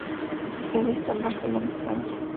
Su sede está en Barcelona, España.